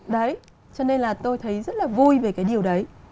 đấy cho nên là tôi thấy rất là vui về cái điều đấy